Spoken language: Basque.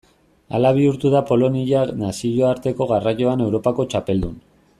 Hala bihurtu da Polonia nazioarteko garraioan Europako txapeldun.